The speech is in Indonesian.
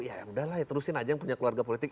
ya udah lah ya terusin aja yang punya keluarga politik